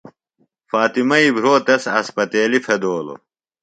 فاطمئی بھرو تس اسپتیلیۡ پھدولوۡ۔